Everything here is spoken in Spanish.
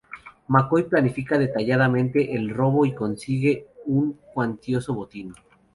McCoy planifica detalladamente el robo y consigue un cuantioso botín.